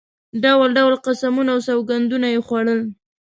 ډول ډول قسمونه او سوګندونه یې خوړل.